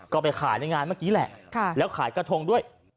ก็ไปขายในงานเมื่อกี้แหละแล้วขายกระทงด้วย